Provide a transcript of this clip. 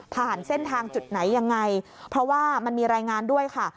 ผ่านเส้นทางจุดไหนยังไงเพราะว่ามันมีรายงานด้วยค่ะ